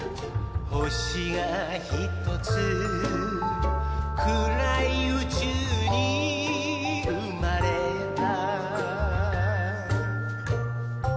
星がひとつ暗い宇宙に生まれた